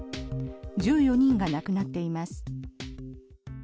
１４人が亡くなっています。